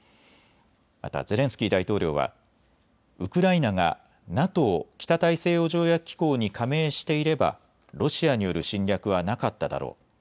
またゼレンスキー大統領はウクライナがＮＡＴＯ・北大西洋条約機構に加盟していればロシアによる侵略はなかっただろう。